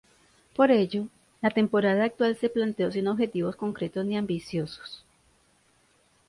Por ello, la temporada actual se planteó sin objetivos concretos ni ambiciosos.